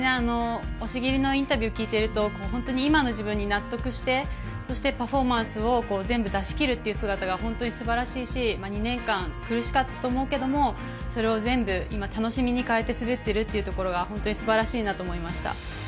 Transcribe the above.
押切のインタビューを聞いていると、今の自分に納得してそしてパフォーマンスを全部出し切るという姿が本当にすばらしいし２年間、苦しかったと思うけれどそれを全部今、楽しみにかえて滑っているところが本当にすばらしいなと思いました。